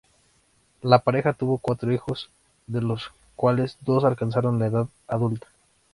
La pareja tuvo cuatro hijos, de los cuales dos alcanzaron la edad adulta.